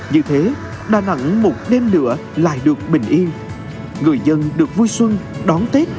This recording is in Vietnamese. như thế đà nẵng một đêm nữa lại được bình yên